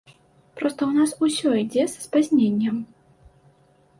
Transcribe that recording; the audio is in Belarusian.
Проста ў нас усё ідзе са спазненнем.